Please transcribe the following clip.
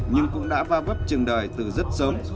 nhưng cũng đã va vấp trường đài từ rất sớm